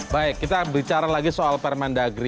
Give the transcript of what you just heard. baik kita bicara lagi soal permandagri ini